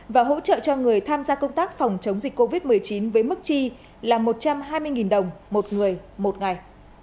và hỗ trợ cho người tham gia công tác phòng chống dịch covid một mươi chín với mức chi là một trăm hai mươi đồng một người một ngày